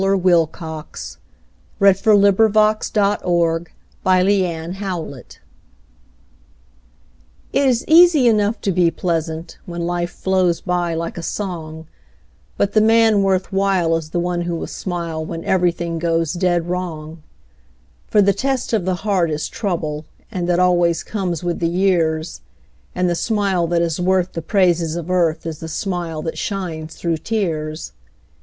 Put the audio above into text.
122040Poems of Cheer — Worth while1914Ella Wheeler Wilcox It is easy enough to be pleasant When life flows by like a song, But the man worth while is the one who will smile When everything goes dead wrong. For the test of the heart is trouble, And it always comes with the years, And the smile that is worth the praises of earth Is the smile that shines through tears.